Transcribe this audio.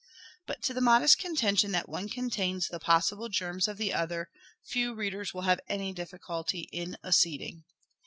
But, to the modest contention that one contains the possible germs of the other, few readers will have any difficulty in acceding.